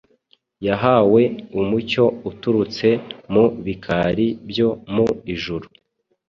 yahawe umucyo uturutse mu bikari byo mu ijuru